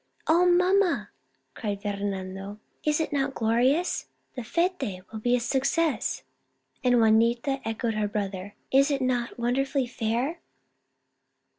"Oh, mamma!" cried Fernando. "Is it not glorious ? The fete will be a success !" and Juanita echoed her brother, " Is it not wonderfully fair